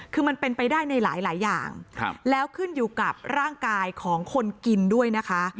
คือมันเป็นไปได้ในหลายอย่างแล้วขึ้นอยู่กับร่างกายของคนกินด้วยนะคะ